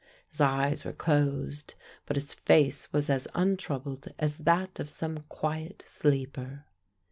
His eyes were closed, but his face was as untroubled as that of some quiet sleeper.